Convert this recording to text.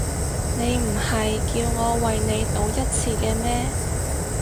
你唔係叫我為你賭一次嘅咩？